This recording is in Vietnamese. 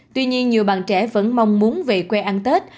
tuy nhiên nhiều bạn trẻ vẫn mong muốn về quê ăn tết